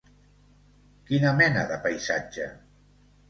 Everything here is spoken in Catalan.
Quina mena de paisatge?